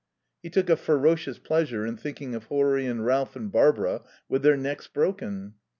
He took a ferocious pleasure in thinking of Horry and Ralph and Barbara with their necks broken.